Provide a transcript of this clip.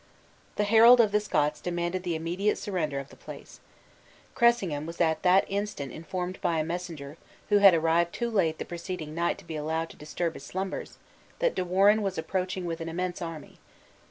The herald of the Scots demanded the immediate surrender of the place. Cressingham was at that instant informed by a messenger, who had arrived too late the preceding night to be allowed to disturb his slumbers, that De Warenne was approaching with an immense army.